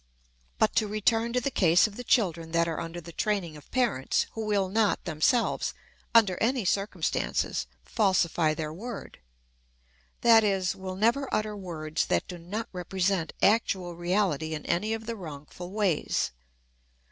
But to return to the case of the children that are under the training of parents who will not themselves, under any circumstances, falsify their word that is, will never utter words that do not represent actual reality in any of the wrongful ways.